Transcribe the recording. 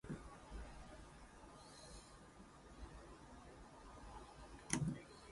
He agreed, but wanted to have sex with her first.